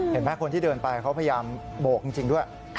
เห็นไหมคนที่เดินไปเขาพยายามโบกจริงด้วย